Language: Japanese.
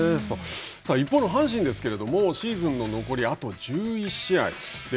一方の阪神ですけれどももうシーズンの残りあと１１試合。